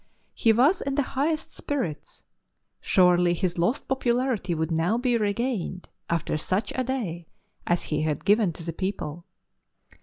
He was in the highest spirits; surely his lost popularity would now be regained after such a day as he had given to the people.